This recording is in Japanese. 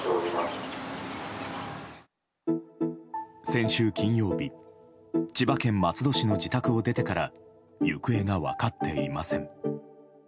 先週金曜日千葉県松戸市の自宅を出てから行方が分かっていません。